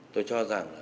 tôi cho rằng